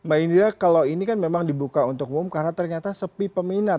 mbak indra kalau ini kan memang dibuka untuk umum karena ternyata sepi peminat